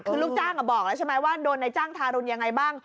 คือลูกจ้างบอกแล้วใช่ไหมว่าโดนในจ้างทารุณยังไงบ้าง